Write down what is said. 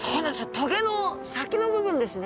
棘の先の部分ですね。